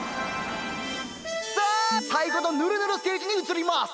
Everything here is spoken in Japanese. さあさいごのぬるぬるステージにうつります！